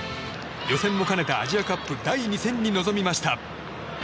予選も兼ねたアジアカップ第２戦に臨みました。